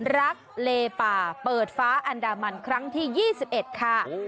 รักเลป่าเปิดฟ้าอันดามันครั้งที่๒๑ค่ะ